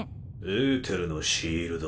エーテルのシールド。